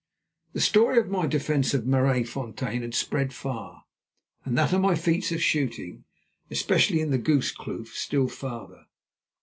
The story of my defence of Maraisfontein had spread far, and that of my feats of shooting, especially in the Goose Kloof, still farther.